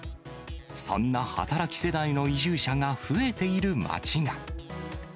そんな働き世代の移住者が増えている町が。